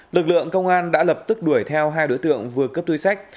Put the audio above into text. lực lượng công an đã lập tức đuổi theo hai đối tượng vừa cấp túi sách